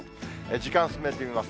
時間進めてみます。